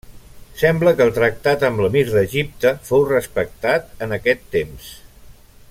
Sembla que el tractat amb l'emir d'Egipte fou respectat en aquest temps.